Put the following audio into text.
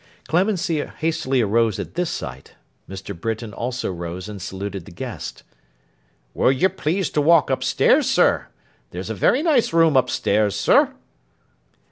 Clemency hastily rose at this sight. Mr. Britain also rose and saluted the guest. 'Will you please to walk up stairs, sir? There's a very nice room up stairs, sir.